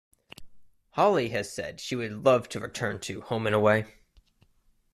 Holly has said she would love to return to "Home and Away".